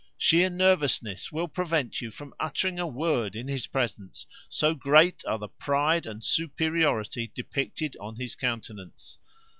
Sheer nervousness will prevent you from uttering a word in his presence, so great are the pride and superiority depicted on his countenance.